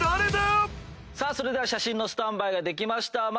それでは写真のスタンバイができました。